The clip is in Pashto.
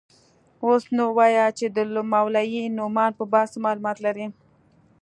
اوس نو وايه چې د مولوي نعماني په باب څه مالومات لرې.